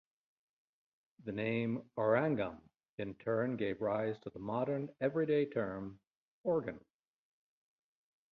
The name "organum" in turn gave rise to the modern everyday term "organ".